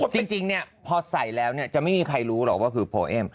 จริงเนี่ยพอใส่แล้วเนี่ยจะไม่มีใครรู้หรอกว่าคือโพเอม